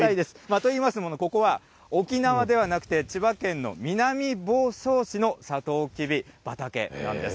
といいますのも、ここは、沖縄ではなくて、千葉県の南房総市のさとうきび畑なんです。